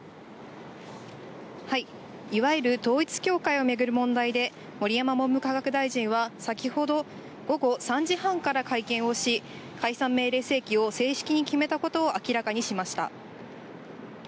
いわゆる統一教会を巡る問題で、盛山文部科学大臣は先ほど午後３時半から会見をし、解散命令請求を正式に決めたことを明らかにしました。